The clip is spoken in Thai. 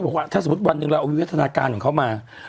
บอกว่าถ้าสมมุติวันหนึ่งเราเอาวิวัฒนาการของเขามา